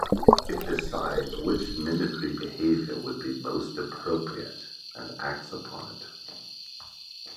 It decides which mimicry behavior would be most appropriate and acts upon it.